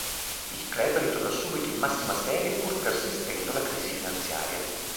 Il club ritorna subito in massima serie pur persistendo la crisi finanziaria.